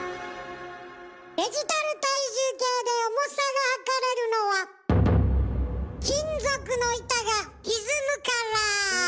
デジタル体重計で重さがはかれるのは金属の板がひずむから。